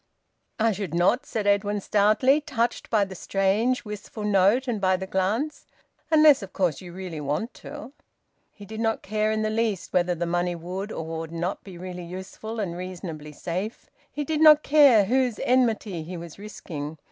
"I should not," said Edwin stoutly, touched by the strange wistful note and by the glance. "Unless of course you really want to." He did not care in the least whether the money would or would not be really useful and reasonably safe. He did not care whose enmity he was risking.